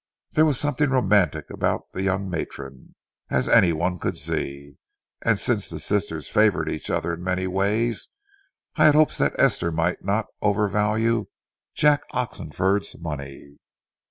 There was something romantic about the young matron, as any one could see, and since the sisters favored each other in many ways, I had hopes that Esther might not overvalue Jack Oxenford's money.